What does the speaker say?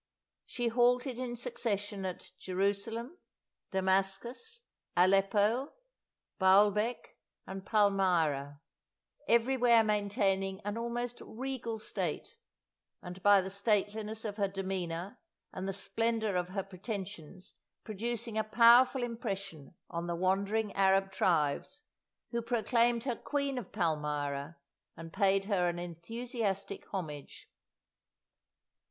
She halted in succession at Jerusalem, Damascus, Aleppo, Baulbek, and Palmyra everywhere maintaining an almost regal state and by the stateliness of her demeanour and the splendour of her pretensions producing a powerful impression on the wandering Arab tribes, who proclaimed her Queen of Palmyra and paid her an enthusiastic homage.